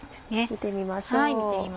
見てみましょう。